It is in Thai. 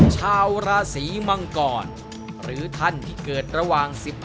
ชาวราศีมังกรหรือท่านที่เกิดระหว่าง๑๕